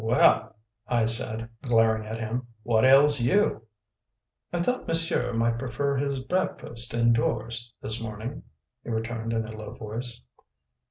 "Well," I said, glaring at him, "what ails you?" "I thought monsieur might prefer his breakfast indoors, this morning," he returned in a low voice.